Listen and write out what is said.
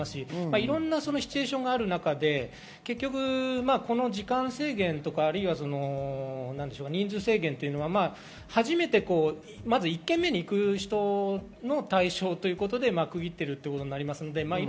いろんなシチュエーションがある中で時間制限や人数制限は初めて１軒目に行く人の対象ということで区切っているということになります。